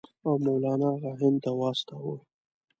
او مولنا هغه هند ته واستاوه.